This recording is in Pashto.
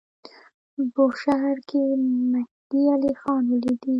بوشهر کې مهدی علیخان ولیدی.